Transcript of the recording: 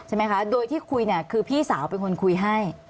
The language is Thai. ใช่ไหมคะโดยที่คุยเนี่ยคือพี่สาวเป็นคนคุยให้